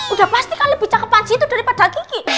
udah pasti kan lebih cakepan situ daripada kiki